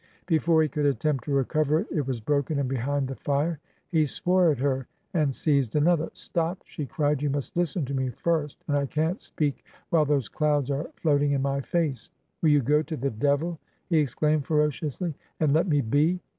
Before he could attempt to recover it, it was broken and behind the fire. He swore at her and seized another. 'Stop/ she cried ;' you must Usten to me first, and I can't speak while those clouds are floating in my face.' 'Will you go to the devil!' he exclaimed, ferociously, 'and let me be!'